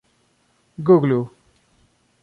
guglu